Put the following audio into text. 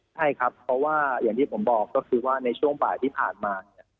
ใช่ครับเพราะว่าอย่างที่ผมบอกก็คือว่าในช่วงบ่ายที่ผ่านมาเนี่ย